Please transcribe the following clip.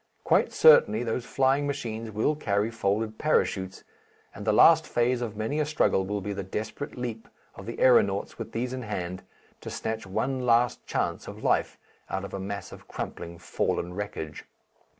Quite certainly those flying machines will carry folded parachutes, and the last phase of many a struggle will be the desperate leap of the aeronauts with these in hand, to snatch one last chance of life out of a mass of crumpling, fallen wreckage.